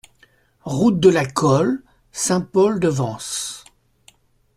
Route de la Colle, Saint-Paul-de-Vence